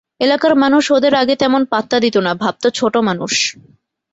এলাকার মানুষ ওদের আগে তেমন পাত্তা দিত না, ভাবত ছোট মানুষ।